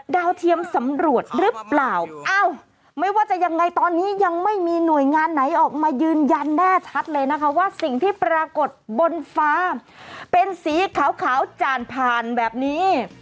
เทียมสำรวจหรือเปล่าอ้าวไม่ว่าจะยังไงตอนนี้ยังไม่มีหน่วยงานไหนออกมายืนยันแน่ชัดเลยนะคะว่าสิ่งที่ปรากฏบนฟ้าเป็นสีขาวจ่านผ่านแบบนี้